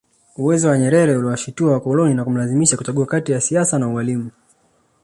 Uwezo wa Nyerere uliwashitua wakoloni na kumlazimisha kuchagua kati ya siasa na ualimu